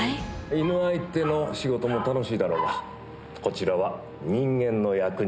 犬相手の仕事も楽しいだろうがこちらは人間の役に立つ仕事です。